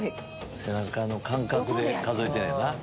背中の感覚で数えてんねんな。